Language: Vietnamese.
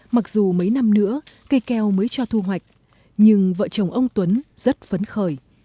mặc dù mấy năm nữa cây keo mới cho thu hoạch nhưng vợ chồng ông tuấn rất phấn khởi